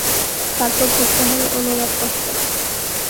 তার পর যুক্ত হন অনুরাগ কশ্যপ।